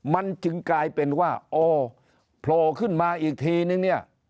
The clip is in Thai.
มันจึงกลายเป็นว่าอ๋อโผล่ขึ้นมาอีกทีนึงเนี่ย